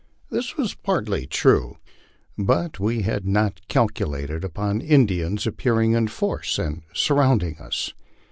This was partly true, but we had not calculated upon Indians appearing in force and surrounding us.